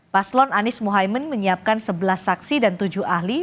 paslon anies mohaimin menyiapkan sebelas saksi dan tujuh ahli